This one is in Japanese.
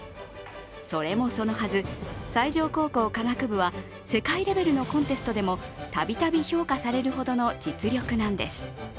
それもそのはず、西条高校科学部は世界レベルのコンテストでも度々評価されるほどの実力なんです。